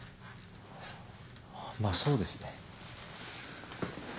まあそうですね。